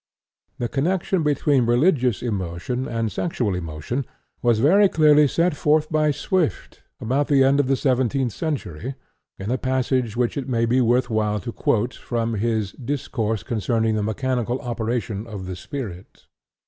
The connection between religious emotion and sexual emotion was very clearly set forth by Swift about the end of the seventeenth century, in a passage which it may be worth while to quote from his "Discourse Concerning the Mechanical Operation of the Spirit."